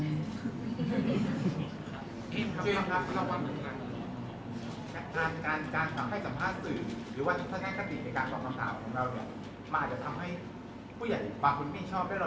จะทำให้ผู้ใหญ่บางคนไม่ชอบให้เราโดนต้องมาอยู่ในสถานการณ์นี้หรือเปล่า